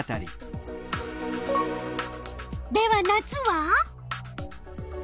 では夏は？